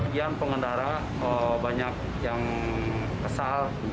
yang pengendara banyak yang kesal